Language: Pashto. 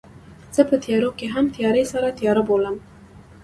زه په تیارو کې هم تیارې سره تیارې بلوم